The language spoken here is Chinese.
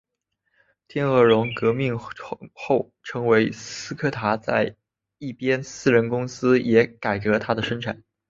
天鹅绒革命后成为斯柯达在一边私人公司也改革它的生产。